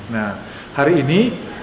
nah hari ini